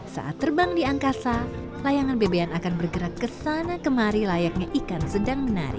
saat terbang di angkasa layangan bebean akan bergerak ke sana kemari layaknya ikan sedang menari